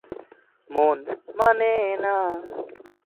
মন মানে না